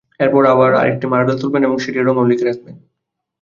এরপর আবার আরেকটি মার্বেল তুলবেন এবং সেটির রংও লিখে রাখবেন।